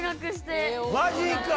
マジか！